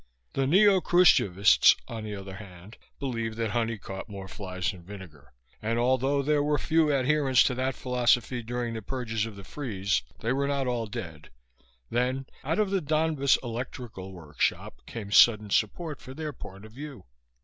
The neo Krushchevists, on the other hand, believed that honey caught more flies than vinegar; and, although there were few visible adherents to that philosophy during the purges of the Freeze, they were not all dead. Then, out of the Donbas Electrical Workshop, came sudden support for their point of view.